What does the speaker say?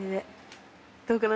どうかな？